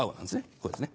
こうですね